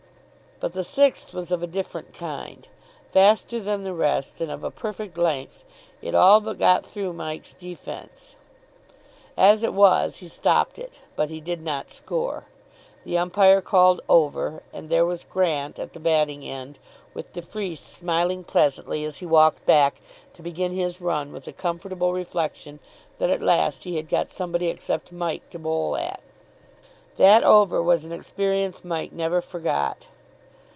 But the sixth was of a different kind. Faster than the rest and of a perfect length, it all but got through Mike's defence. As it was, he stopped it. But he did not score. The umpire called "Over!" and there was Grant at the batting end, with de Freece smiling pleasantly as he walked back to begin his run with the comfortable reflection that at last he had got somebody except Mike to bowl at. That over was an experience Mike never forgot.